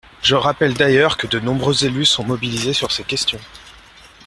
Je rappelle d’ailleurs que de nombreux élus sont mobilisés sur ces questions.